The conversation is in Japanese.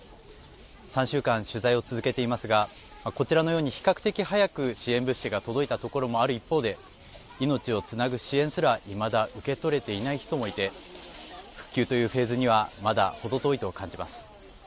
３週間、取材を続けていますがこちらのように比較的早く支援物資が届いたところもある一方で命をつなぐ支援すらいまだ受け取れていない人もいて復旧というフェーズにはまだ程遠いと感じます。